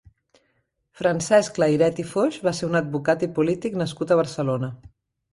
Francesc Layret i Foix va ser un advocat i polític nascut a Barcelona.